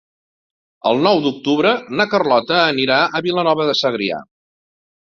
El nou d'octubre na Carlota anirà a Vilanova de Segrià.